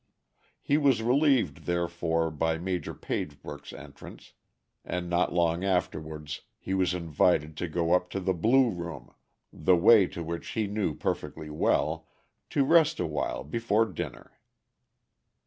He was relieved, therefore, by Maj. Pagebrook's entrance, and not long afterwards he was invited to go up to the blue room, the way to which he knew perfectly well, to rest awhile before dinner.